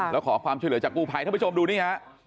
แล้วขอความช่วยเหลือจากกู้ภัยท่านผู้ชมดูนี่ฮะ